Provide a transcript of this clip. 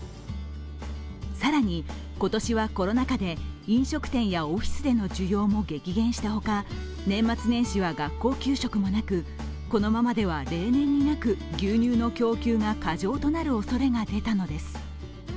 更に今年はコロナ禍で飲食店やオフィスでの需要も激減したほか年末年始は学校給食もなく、このままでは例年になく牛乳の供給が過剰となるおそれが出たのです。